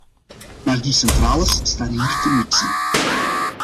Maar die centrales staan hier te niksen.